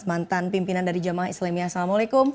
mantan pimpinan dari jamaah islamia assalamualaikum